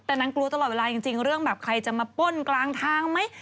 แต่นางกลัวตลอดเวลาจริงเรื่องแบบใครจะมาป้นกลางทางไหม